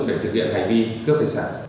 để thực hiện hành vi cướp tài sản